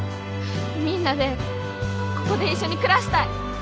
みんなでここで一緒に暮らしたい！